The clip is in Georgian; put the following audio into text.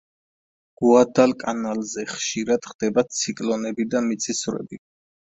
გუადალკანალზე ხშირად ხდება ციკლონები და მიწისძვრები.